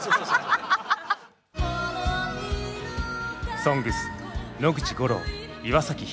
「ＳＯＮＧＳ」野口五郎岩崎宏美。